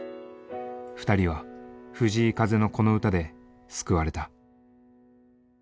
２人は藤井風のこの歌で救われた。